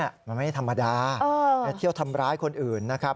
มันไม่ธรรมดาเที่ยวทำร้ายคนอื่นนะครับ